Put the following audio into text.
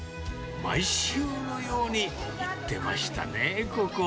毎週のように行ってましたね、ここ。